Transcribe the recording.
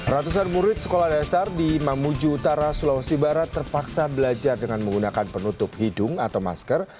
ratusan murid sekolah dasar di mamuju utara sulawesi barat terpaksa belajar dengan menggunakan penutup hidung atau masker